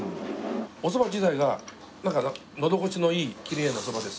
おそば自体がのど越しのいいきれいなそばです。